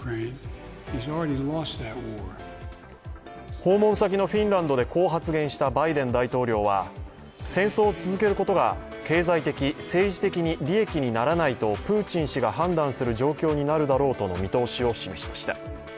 訪問先のフィンランドでこう発言したバイデン大統領は戦争を続けることが経済的、政治的に利益にならないとプーチン氏が判断する状況になるだろうとの見通しを示しました。